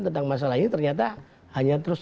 tentang masalah ini ternyata hanya terus